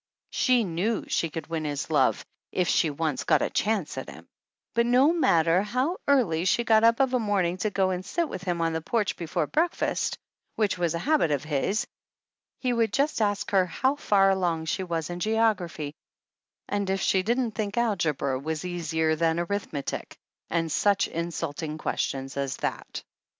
She knew she could win his love if she once got a chance at him; but no matter how early she got up of a morning to go and sit with him on the porch before breakfast, which was a habit of his, he would just ask her how far along she was in geography and if she didn't think algebra was easier than arithmetic, and such insulting questions as that.